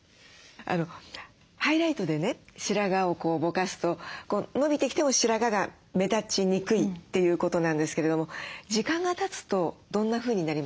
ハイライトでね白髪をぼかすと伸びてきても白髪が目立ちにくいということなんですけれども時間がたつとどんなふうになりますか？